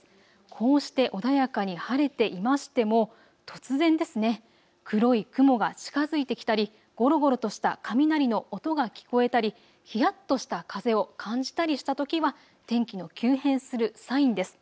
こうして穏やかに晴れていましても突然、黒い雲が近づいてきたりゴロゴロとした雷の音が聞こえたりひやっとした風を感じたりしたときは天気の急変するサインです。